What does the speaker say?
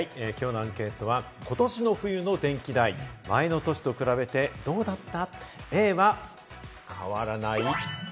今日のアンケートは今年の冬の電気代、前の年と比べてどうなった？